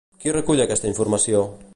Qui recull aquesta informació?